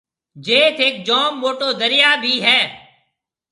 جيٿ هيڪ جوم موٽو دريا ڀِي هيَ۔